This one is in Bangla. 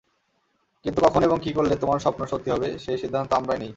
কিন্তু কখন এবং কী করলে তোমার স্বপ্ন সত্যি হবে সেই সিদ্ধান্ত আমরাই নিই।